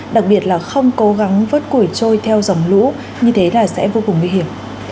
đặc biệt là không cố gắng vớt củi trôi theo dòng lũ như thế là sẽ vô cùng nguy hiểm